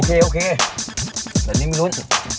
ร้านนี้ไม่รู้